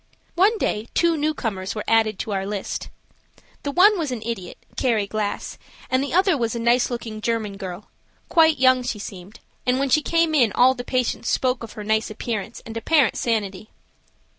One day two new comers were added to our list. The one was an idiot, Carrie Glass, and the other was a nice looking German girl–quite young, she seemed, and when she came in all the patients spoke of her nice appearance and apparent sanity.